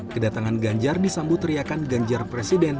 kedatangan ganjar disambut teriakan ganjar presiden